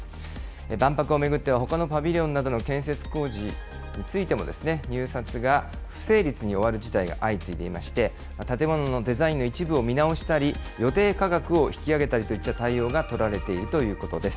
万博を巡ってはほかのパビリオンなどの建設工事についても、入札が不成立に終わる事態が相次いでいまして、建物のデザインの一部を見直したり、予定価格を引き上げたりといった対応が取られているということです。